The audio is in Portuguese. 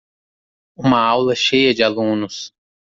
Uma aula cheia de alunos.